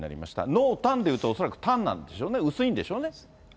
濃淡でいうと、恐らく淡なんですよね、薄いんですよね。